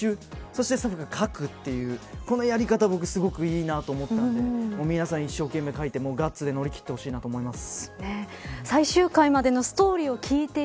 そしてスタッフが描くというこのやり方がすごくいいなと思ったので皆さん一生懸命描いてガッツで乗り切ってほしいと思います。